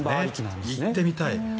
行ってみたい。